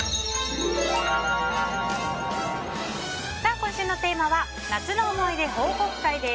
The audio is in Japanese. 今週のテーマは夏の思い出報告会です。